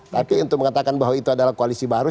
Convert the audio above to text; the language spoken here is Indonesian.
tapi untuk mengatakan bahwa itu adalah koalisi baru